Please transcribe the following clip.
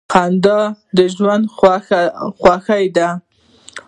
• خندا د ژوند خوښي ده.